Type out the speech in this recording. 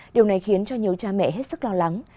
điều này khiến cho nhiều cha mẹ hết sức lo lắng